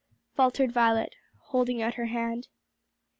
faltered Violet, holding out her hand.